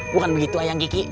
bukan begitu ayang kiki